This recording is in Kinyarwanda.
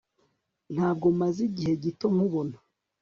ntabwo maze igihe gito nkubona